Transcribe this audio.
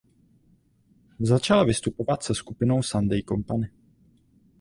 Začala vystupovat se skupinou Sunday Company.